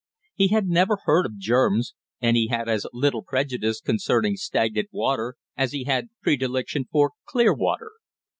He had never heard of germs, and he had as little prejudice concerning stagnant water as he had predilection for clear water.